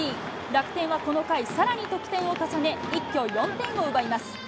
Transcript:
楽天はこの回、さらに得点を重ね、一挙４点を奪います。